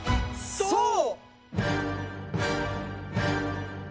そう！